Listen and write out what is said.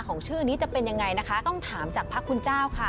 ก็จะเป็นอย่างไรนะคะต้องถามจากพระคุณเจ้าค่ะ